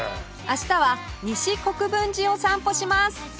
明日は西国分寺を散歩します